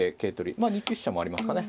まあ２九飛車もありますかね。